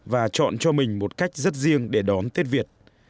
và chọn cho mình một cách rất riêng để đón tết việt